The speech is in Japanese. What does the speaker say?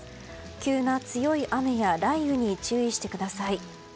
急な強い雨や雷雨に注意してください。